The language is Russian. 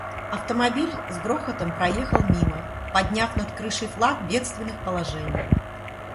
Автомобиль с грохотом проехал мимо, подняв над крышей флаг бедственных положений.